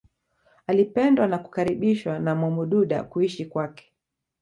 Alipendwa na kukaribishwa na Mwamududa kuishi kwake